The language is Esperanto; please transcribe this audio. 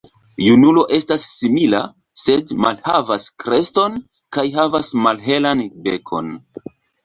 Junulo estas simila, sed malhavas kreston kaj havas malhelan bekon.